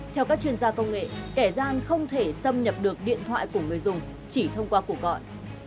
theo các chuyên gia công nghệ kẻ gian không thể xâm nhập được điện thoại của người dùng chỉ thông qua cuộc gọi